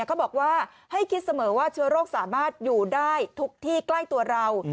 เขาบอกว่าให้คิดเสมอว่าเชื้อโรคสามารถอยู่ได้ทุกที่ใกล้ตัวเรา